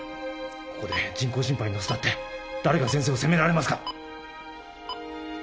ここで人工心肺にのせたって誰が先生を責められますか？